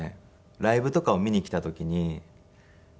ライブとかを見に来た時に。